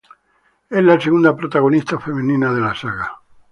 Es la segunda protagonista femenina de la saga.